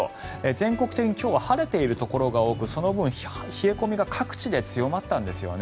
全国的に今日は晴れているところが多くその分、冷え込みが各地で強まったんですよね。